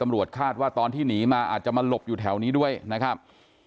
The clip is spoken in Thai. คาดว่าตอนที่หนีมาอาจจะมาหลบอยู่แถวนี้ด้วยนะครับ